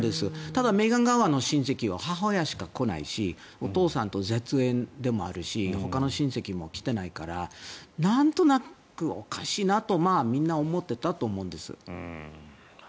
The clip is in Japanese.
ただ、メーガン側の親戚は母親しか来ないしお父さんと絶縁でもあるしほかの親戚も来ていないからなんとなくおかしいなとみんなが思っていたと思うんです。